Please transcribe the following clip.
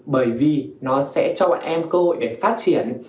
bởi vì nó sẽ cho bọn em cơ hội để phát triển